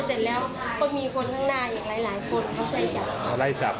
ต้องแนะกี่บ่ายครับนี่ครับ